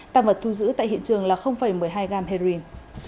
tàng vật thu giữ tại hiện trường là một mươi hai g heroin